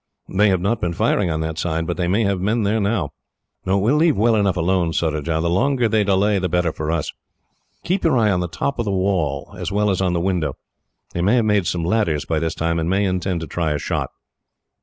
They have not been firing on that side, but they may have men there now. No, we will leave well alone, Surajah. The longer they delay, the better for us. "Keep your eye on the top of the wall, as well as on the window. They may have made some ladders by this time, and may intend to try a shot."